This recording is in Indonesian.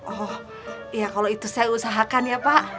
oh ya kalau itu saya usahakan ya pak